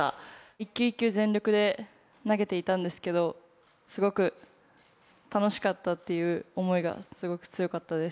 一球一球全力で投げていたんですけど、すごく楽しかったっていう思いがすごく強かったです。